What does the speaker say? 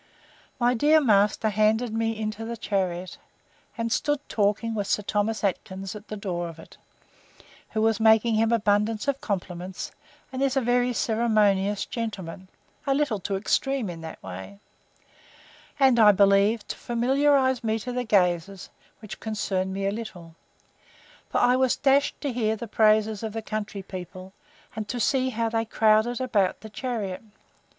My dear master handed me into the chariot, and stood talking with Sir Thomas Atkyns, at the door of it, (who was making him abundance of compliments, and is a very ceremonious gentleman, a little too extreme in that way,) and, I believe, to familiarize me to the gazers, which concerned me a little; for I was dashed to hear the praises of the countrypeople, and to see how they crowded about the chariot.